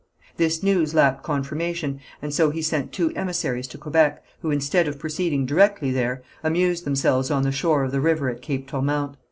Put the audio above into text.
This news lacked confirmation, and so he sent two emissaries to Quebec, who instead of proceeding directly there, amused themselves on the shore of the river at Cape Tourmente.